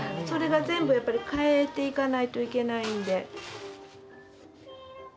それが全部やっぱり変えていかないといけないんで。